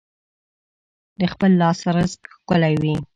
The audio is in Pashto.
د خپل لاس رزق ښکلی وي.